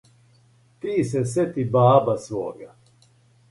Ти се сети баба свога,